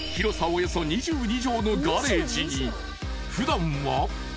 およそ２２畳のガレージに普段は］